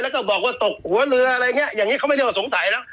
แล้วก็บอกว่าตกหัวเรืออะไรอย่างนี้อย่างนี้เขาไม่ได้ว่าสงสัยแล้ว